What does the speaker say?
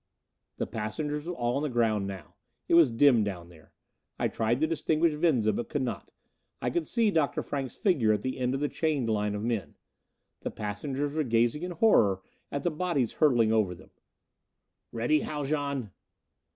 The passengers were all on the ground now. It was dim down there. I tried to distinguish Venza, but could not. I could see Dr. Frank's figure at the end of the chained line of men. The passengers were gazing in horror at the bodies hurtling over them. "Ready, Haljan?"